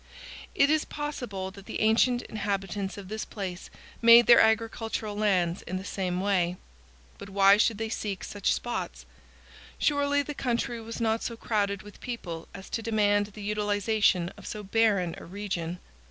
It is possible that the ancient inhabitants of this place made their agricultural lands in the same way. But why should they seek such spots'? Surely the country was not so crowded with people as to demand the utilization of so barren a region.